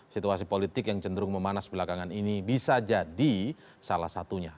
situasi politik yang cenderung memanas belakangan ini bisa jadi salah satunya